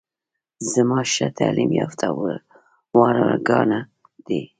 زما ښه تعليم يافته وراره ګان دي.